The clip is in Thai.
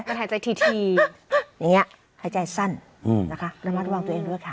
ก็หายใจทีอย่างนี้หายใจสั้นนะคะระมัดระวังตัวเองด้วยค่ะ